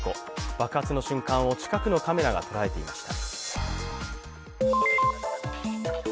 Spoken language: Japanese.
爆発の瞬間を近くのカメラが捉えていました。